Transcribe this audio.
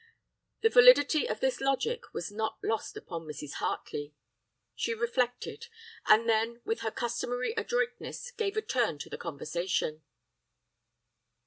"The validity of this logic was not lost upon Mrs. Hartley. She reflected; and then with her customary adroitness gave a turn to the conversation.